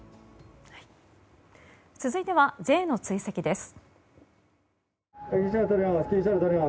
続いてはＪの追跡です。